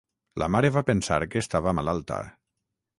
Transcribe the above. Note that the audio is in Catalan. La mare va pensar que estava malalta.